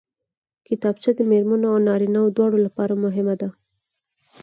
کتابچه د مېرمنو او نارینوو دواړو لپاره مهمه ده